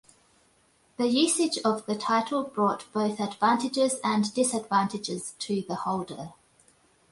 The usage of the title brought both advantages and disadvantages to the holder.